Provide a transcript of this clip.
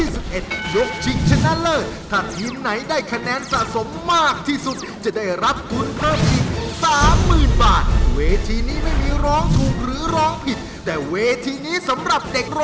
ซึ่งดูแลเด็กที่พ่อแม่อยู่ในเรือนจำ